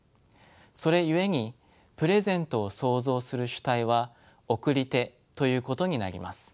それゆえにプレゼントを創造する主体は送り手ということになります。